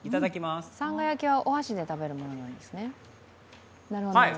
さんが焼きはお箸で食べるものなんですね、なるほど。